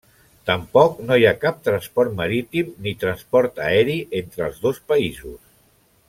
Tampoc no hi ha cap transport marítim ni transport aeri entre els dos països.